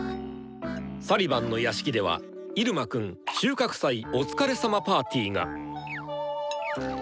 サリバンの屋敷では「入間くん収穫祭お疲れさまパーティー」が。